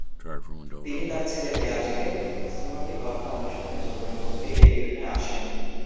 তিনি তার ছেলে বেয়াজীদের সুন্নতে খৎনা অনুষ্ঠানে যোগদান করতে এদিরনে আসেন।